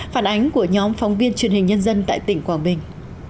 phản ánh của nhóm phóng viên truyền hình nhân dân tại tỉnh quảng bình